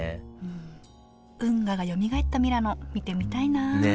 運河がよみがえったミラノ見てみたいなあね